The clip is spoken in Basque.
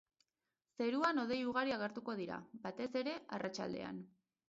Zeruan hodei ugari agertuko dira, batez ere, arratsaldean.